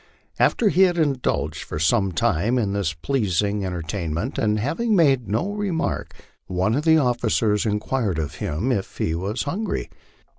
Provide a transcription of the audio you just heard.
After he had indulged for some time in this pleasing enter tainment, and having made no remark, one of the officers inquired of him if he was hungry.